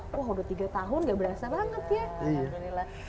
wah udah tiga tahun gak berasa banget ya alhamdulillah